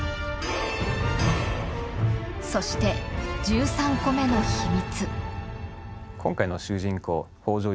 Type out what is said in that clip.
そして１３個目の秘密。